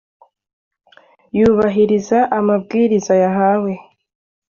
yubahiriza amabwiriza yahawe.